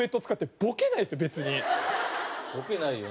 ボケないよね。